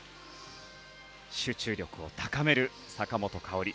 集中力を高める坂本花織。